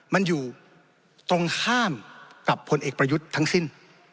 มันอยู่ตรงข้ามกับผลเอกประยุทธ์ทั้งสิ้น